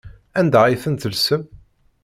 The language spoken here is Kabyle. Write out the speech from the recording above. Anda ay ten-tellsem?